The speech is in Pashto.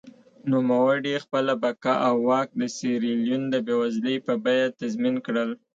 نوموړي خپله بقا او واک د سیریلیون د بېوزلۍ په بیه تضمین کړل.